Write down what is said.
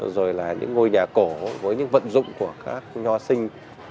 rồi là những ngôi nhà cổ với những vận dụng của các nho sinh